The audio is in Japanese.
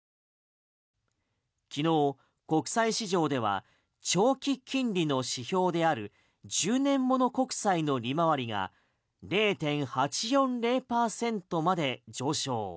昨日、国債市場では長期金利の指標である１０年物国債の利回りが０．８４０％まで上昇。